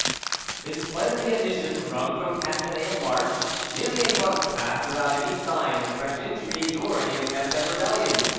In spite of the admissions wrung from Castanet in March, nearly a month passed without any sign of fresh intrigues or any attempt at rebellion.